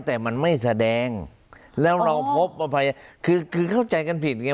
แต่มันไม่แสดงแล้วเราพบอภัยคือคือเข้าใจกันผิดไง